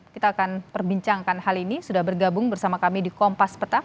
kita akan perbincangkan hal ini sudah bergabung bersama kami di kompas petak